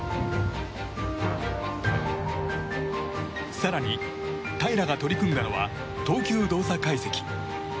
更に、平良が取り組んだのは投球動作解析。